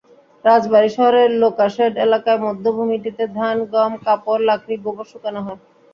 রাজবাড়ী শহরের লোকোশেড এলাকায় বধ্যভূমিটিতে ধান, গম, কাপড়, লাকড়ি, গোবর শুকানো হয়।